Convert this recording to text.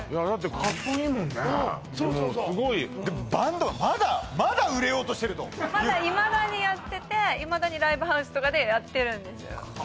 うんそうそうそうでもバンドまだまだ売れようとしてるとまだいまだにやってていまだにライブハウスとかでやってるんですよ